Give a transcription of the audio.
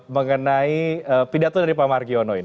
mengenai pidato dari pak margiono ini